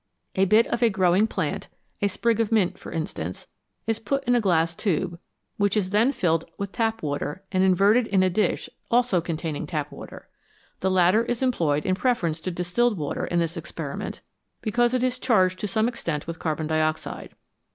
A bit of a growing plant a sprig of mint, for instance is put in a glass tube, which is then filled with tap water and inverted in a dish also containing tap water. The latter is employed in preference to dis tilled water in this experiment, because it is charged to some extent with carbon dioxide.